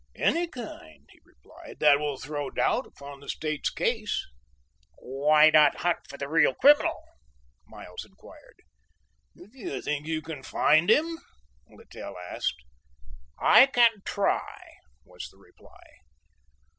"Any kind," he replied, "that will throw doubt upon the State's case." "Why not hunt for the real criminal?" Miles inquired. "Do you think you can find him?" Littell asked. "I can try," was the reply.